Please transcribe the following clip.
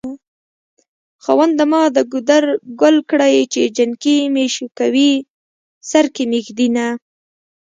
خاونده ما دګودر ګل کړی چې جنکي مې شوکوی سرکې مې ږد ينه